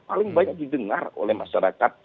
paling banyak didengar oleh masyarakat